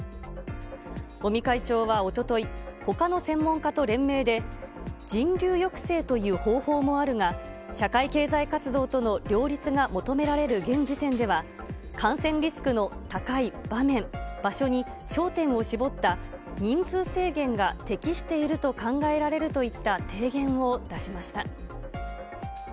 尾身会長はおととい、ほかの専門家と連名で、人流抑制という方法もあるが、社会経済活動との両立が求められる現時点では、感染リスクの高い場面、場所に焦点を絞った人数制限が適していると考えられるといった提言を出しました。